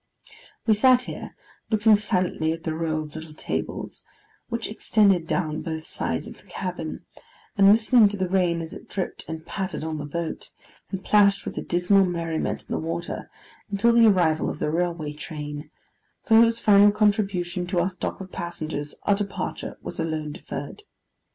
We sat here, looking silently at the row of little tables, which extended down both sides of the cabin, and listening to the rain as it dripped and pattered on the boat, and plashed with a dismal merriment in the water, until the arrival of the railway train, for whose final contribution to our stock of passengers, our departure was alone deferred.